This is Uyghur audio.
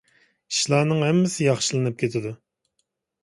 ئىشلارنىڭ ھەممىسى ياخشىلىنىپ كېتىدۇ.